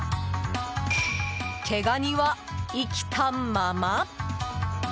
毛ガニは生きたまま。